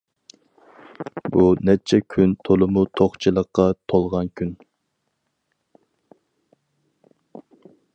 بۇ نەچچە كۈن تولىمۇ توقچىلىققا تولغان كۈن.